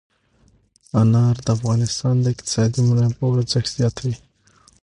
انار د افغانستان د اقتصادي منابعو ارزښت زیاتوي.